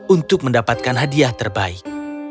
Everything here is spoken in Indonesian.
untuk mendapatkan hadiah terbaik